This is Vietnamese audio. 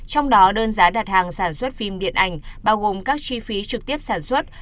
trong đó đơn giá đặt hàng sản xuất phim điện ảnh bao gồm các chi phí trực tiếp sản xuất